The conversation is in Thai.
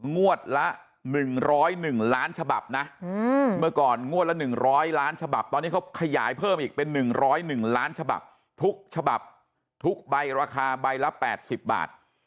งวดละ๑๐๑ล้านฉบับนะเมื่อก่อนงวดละ๑๐๐ล้านฉบับตอนนี้เขาขยายเพิ่มอีกเป็น๑๐๑ล้านฉบับทุกฉบับทุกใบราคาใบละ๘๐บาท